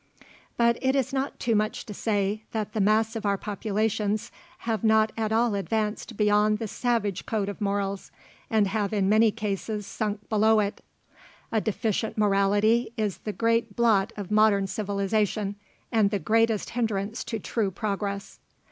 But it is not too much to say, that the mass of our populations have not at all advanced beyond the savage code of morals, and have in many cases sunk below it. A deficient morality is the great blot of modern civilization, and the greatest hindrance to true progress.